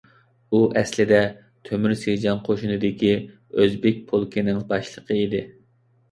ئۇ ئەسلىدە تۆمۈر سىجاڭ قوشۇنىدىكى ئۆزبېك پولكىنىڭ باشلىقى ئىدى.